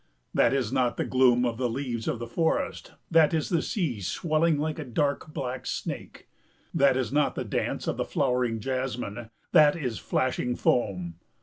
That is not the gloom of the leaves of the forest, that is the sea swelling like a dark black snake. That is not the dance of the flowering jasmine, that is flashing foam.